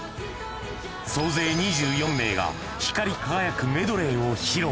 総勢２４名が光り輝くメドレーを披露。